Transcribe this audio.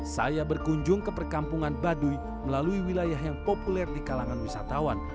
saya berkunjung ke perkampungan baduy melalui wilayah yang populer di kalangan wisatawan